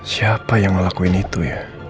siapa yang ngelakuin itu ya